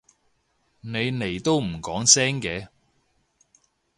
你嚟都唔講聲嘅？